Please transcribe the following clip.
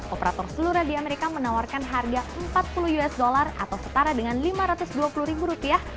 operator selura di amerika menawarkan harga empat puluh usd atau setara dengan lima ratus dua puluh ribu rupiah